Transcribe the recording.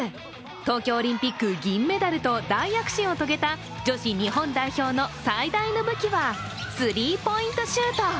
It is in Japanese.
東京オリンピック銀メダルと大躍進を遂げた女子日本代表の最大の武器はスリーポイントシュート。